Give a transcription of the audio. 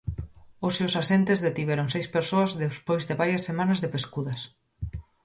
Hoxe os axentes detiveron seis persoas despois de varias semanas de pescudas.